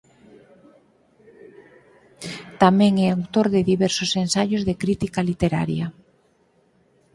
Tamén é autor de diversos ensaios de crítica literaria.